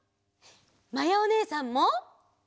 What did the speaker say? まやおねえさんも！